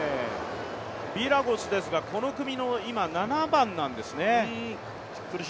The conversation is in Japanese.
ヴィラゴスですがこの組の７番なんですね。